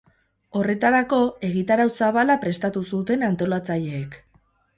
Horretarako, egitarau zabala prestatu zuten antolatzaileek.